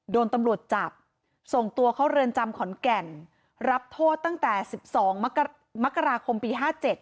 โดนตำรวจจับส่งตัวเข้าเรือนจำขอนแก่นรับโทษตั้งแต่๑๒มกราคมปี๕๗